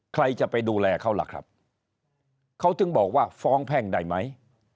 ใครจะไปดูแลเขาล่ะครับเขาถึงบอกว่าฟ้องแพ่งได้ไหม